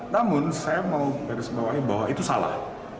namun saya mau berisbahawahi bahwa itu salah